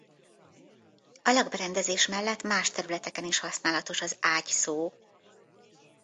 A lakberendezés mellett más területeken is használatos az ágy szó.